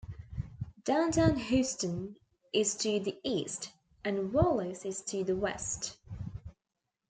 Downtown Houston is to the east, and Wallis is to the west.